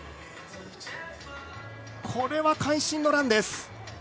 これは、会心のランです。